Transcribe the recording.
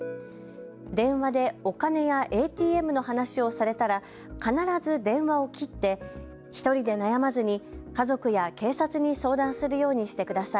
電話でお金やＡＴＭの話をされたら必ず電話を切って１人で悩まずに家族や警察に相談するようにしてください。